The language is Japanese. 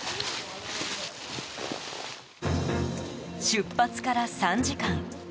出発から３時間。